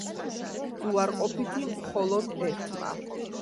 უარყოფითი მხოლოდ ერთმა.